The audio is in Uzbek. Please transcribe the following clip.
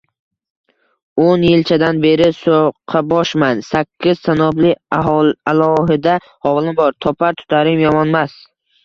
– O‘n yilchadan beri so‘qqaboshman, sakkiz tanobli alohida hovlim bor, topar-tutarim yomonmas